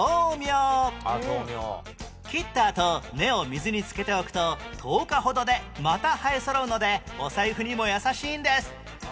切ったあと根を水に漬けておくと１０日ほどでまた生えそろうのでお財布にも優しいんです